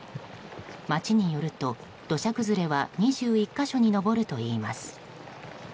町によると、土砂崩れは２１か所に上るといいます。